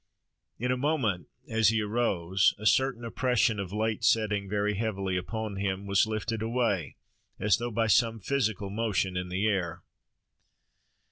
In a moment, as he arose, a certain oppression of late setting very heavily upon him was lifted away, as though by some physical motion in the air.